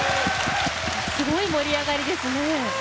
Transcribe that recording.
すごい盛り上がりですね。